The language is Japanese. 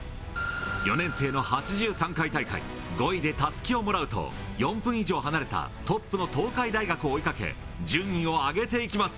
４年生の８３回大会、５位でたすきをもらうと、４分以上離れたトップの東海大学を追いかけ、順位を上げていきます。